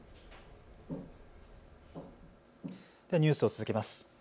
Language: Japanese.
ニュースを続けます。